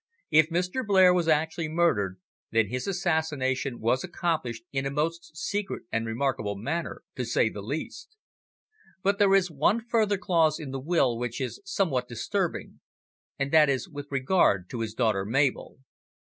If Mr. Blair was actually murdered, then his assassination was accomplished in a most secret and remarkable manner, to say the least. But there is one further clause in the will which is somewhat disturbing, and that is with regard to his daughter Mabel.